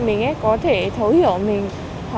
mình có thể thấu hiểu mình